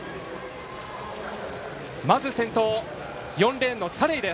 まず先頭４レーンのサレイ。